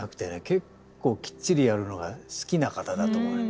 結構きっちりやるのが好きな方だと思うよ。